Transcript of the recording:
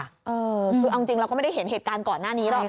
คือเอาจริงเราก็ไม่ได้เห็นเหตุการณ์ก่อนหน้านี้หรอก